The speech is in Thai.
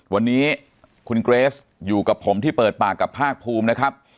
วันนี้คุณเกรสอยู่กับผมที่เปิดปากกับภาคภูมินะครับ